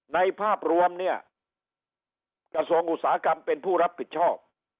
ภาพรวมเนี่ยกระทรวงอุตสาหกรรมเป็นผู้รับผิดชอบ